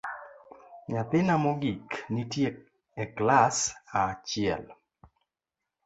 Nyathina mogik nitie e klas achiel